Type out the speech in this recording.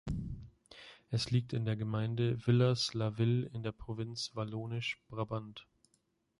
Es liegt in der Gemeinde Villers-la-Ville in der Provinz Wallonisch-Brabant.